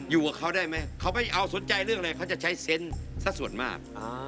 อยู่กับเขาได้ไหมเขาไม่เอาสนใจเรื่องอะไรเขาจะใช้เซนต์สักส่วนมาก